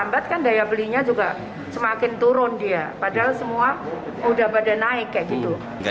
lambat kan daya belinya juga semakin turun dia padahal semua udah pada naik kayak gitu